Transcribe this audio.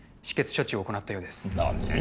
処置を行ったようです何？